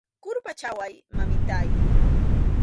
Qurpachaway, mamitáy.